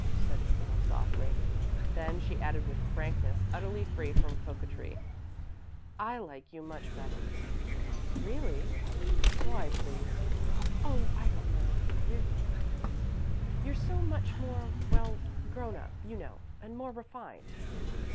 said Isabel, softly. Then she added with frankness utterly free from coquetry, "I like you much better." "Really? Why, please?" "Oh, I don't know. You're so much more, well, grown up, you know, and more refined."